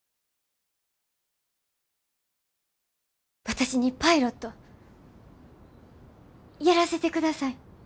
私にパイロットやらせてください。